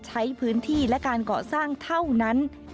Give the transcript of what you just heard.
ใช้พื้นที่และการเกาะสร้างเท่านั้น